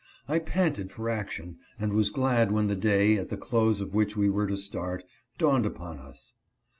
I panted for action, and was glad when the day, at the close of which we were to start, dawned upon us.